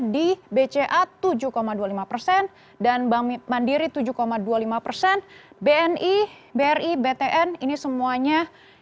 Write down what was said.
di bca tujuh dua puluh lima dan bank mandiri tujuh dua puluh lima bni bri btn ini semuanya tujuh dua puluh lima